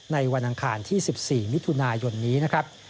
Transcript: วันอังคารที่๑๔มิถุนายนนี้นะครับ